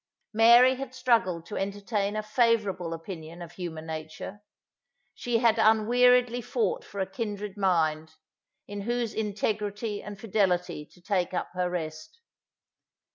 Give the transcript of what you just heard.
Mary had struggled to entertain a favourable opinion of human nature; she had unweariedly fought for a kindred mind, in whose integrity and fidelity to take up her rest.